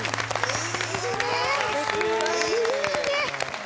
いいね！